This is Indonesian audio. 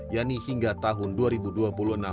yang ini hingga tahun